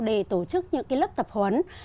để tổ chức những lớp tập huấn